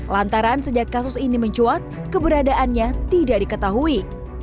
lantaran sejak kasus ini mencuat keberadaannya tidak diketahui